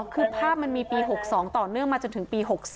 คือภาพมันมีปี๖๒ต่อเนื่องมาจนถึงปี๖๔